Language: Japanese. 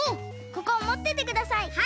ここをもっててください。